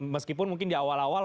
meskipun mungkin di awal awal